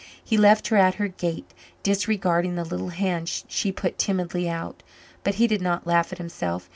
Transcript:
He left her at her gate, disregarding the little hand she put timidly out but he did not laugh at himself.